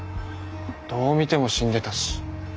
どう見ても死んでたし。